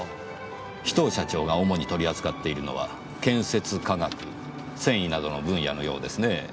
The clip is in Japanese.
紫藤社長が主に取り扱っているのは建設化学繊維などの分野のようですねぇ。